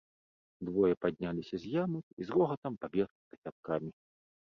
Двое падняліся з ямак і з рогатам пабеглі з кацялкамі.